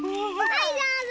はいどうぞ！